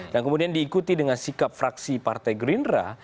dan kemudian diikuti dengan sikap fraksi partai gerindra